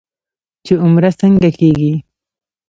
چې عمره څنګه کېږي.